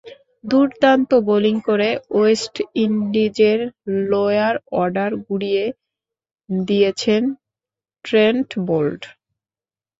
দুর্দান্ত বোলিং করে ওয়েস্ট ইন্ডিজের লোয়ার অর্ডার গুঁড়িয়ে দিয়েছেন ট্রেন্ট বোল্ট।